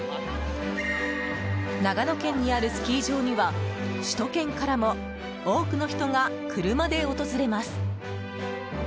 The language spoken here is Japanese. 長野県にあるスキー場には首都圏からも多くの人が車で訪れます。